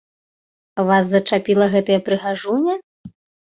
Вас зачапіла гэтая прыгажуня?